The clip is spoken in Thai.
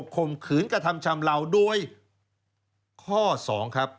ข่มขืนกระทำชำเหล่าโดยข้อ๒ครับ